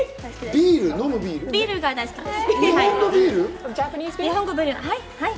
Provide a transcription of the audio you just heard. ビールが大好きです。